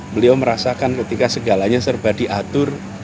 beliau merasakan ketika segalanya serba diatur